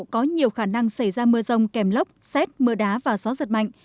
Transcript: có nhiều khả năng xảy ra mưa rông kèm lốc xét mưa đá và gió giật mạnh